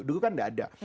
dulu kan gak ada